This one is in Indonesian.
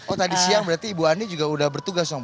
oh tadi siang berarti ibu ani juga udah bertugas dong